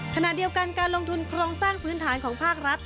ขณะเดียวกันการลงทุนโครงสร้างพื้นฐานของภาครัฐ